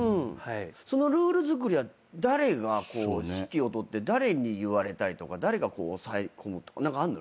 そのルール作りは誰が指揮を執って誰に言われたりとか誰が抑え込むとか何かあんの？